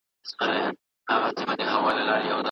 هيڅ ستونزه بې حله نه ده.